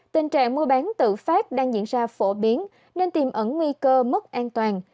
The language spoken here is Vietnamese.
tình trạng mua bán tự phát đang diễn ra phổ biến nên tiêm ẩn nguy cơ mức an toàn